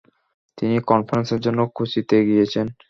তিনি কনফারেন্সের জন্য কোচিতে গিয়েছেন।